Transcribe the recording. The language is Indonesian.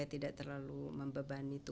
wanita yang keluar dari barik barik nicotin itu